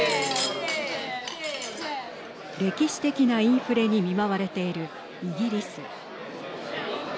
歴史的なインフレに見舞われているイギリス。